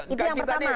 itu yang pertama